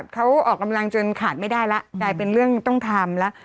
เขาออกกำลังจนขาดไม่ได้แล้วกลายเป็นเรื่องต้องทำแล้ว